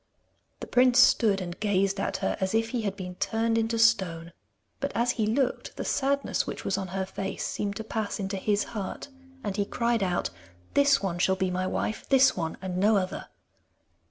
The prince stood and gazed at her, as if he had been turned into stone, but as he looked the sadness which, was on her face seemed to pass into his heart, and he cried out: 'This one shall be my wife. This one and no other.